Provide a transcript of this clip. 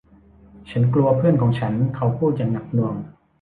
ฉันกลัวเพื่อนของฉันเขาพูดอย่างหนักหน่วง